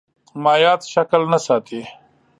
مایعات شکل نه ساتي.